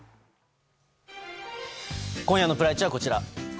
今夜のプライチはこちら。